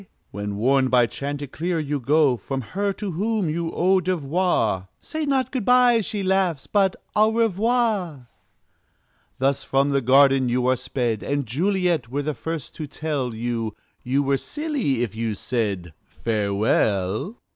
When, warned by chanticleer, you go From her to whom you owe devoir, "Say not 'good by,'" she laughs, "but 'Au Revoir!'" Thus from the garden are you sped; And Juliet were the first to tell You, you were silly if you said "Farewell!"